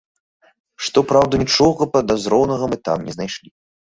Што праўда, нічога падазронага мы там не знайшлі.